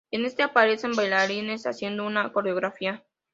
En este aparecen bailarines haciendo una coreografía.